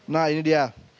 nah ini dia